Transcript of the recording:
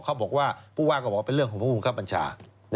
เขาบอกว่าผู้ว่าก็บอกว่าเป็นเรื่องของผู้บังคับบัญชา